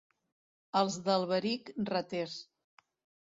Els d'Alberic, raters.